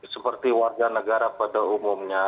seperti warga negara pada umumnya